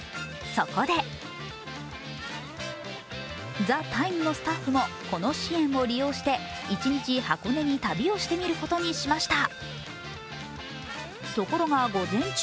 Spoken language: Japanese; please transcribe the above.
そこで「ＴＨＥＴＩＭＥ，」のスタッフもこの支援を利用して一日、箱根に旅をしてみることにしました。